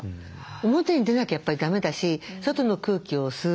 表に出なきゃやっぱりだめだし外の空気を吸う。